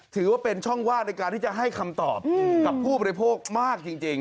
ถือว่าเป็นช่องว่างในการที่จะให้คำตอบกับผู้บริโภคมากจริง